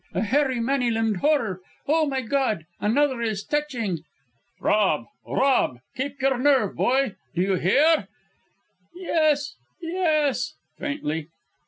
a hairy, many limbed horror.... Oh, my God! another is touching...." "Rob! Rob! Keep your nerve, boy! Do you hear?" "Yes yes " faintly.